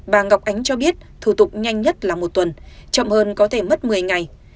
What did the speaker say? bà ngọc ánh cho biết thủ tục nhanh nhất là một tuần chậm hơn có thể mất một mươi ngày